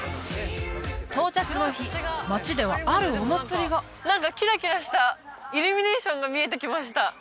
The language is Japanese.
到着の日街ではあるお祭りが何かキラキラしたイルミネーションが見えてきました